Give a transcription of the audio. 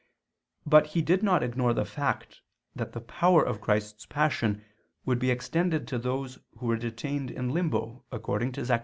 But he did not ignore the fact that the power of Christ's Passion would be extended to those who were detained in Limbo, according to Zech.